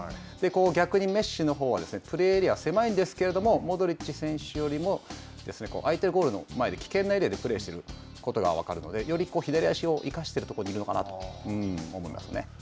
逆にメッシのほうは、プレーエリアは狭いんですけど、モドリッチ選手よりも、相手ゴールの前で、危険なエリアでプレーしていることが分かるので、より左足を生かしているところにいるのかなと思いますね。